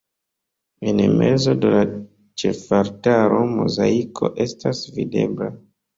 En mezo de la ĉefaltaro mozaiko estas videbla.